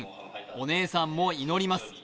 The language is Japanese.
お姉さんも祈ります。